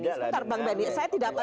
bentar bang benny